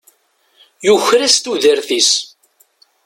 Yuker-as tudert-is.